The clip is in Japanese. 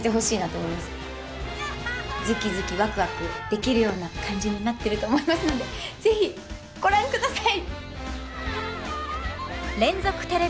ズキズキワクワクできるような感じになってると思いますので是非ご覧ください！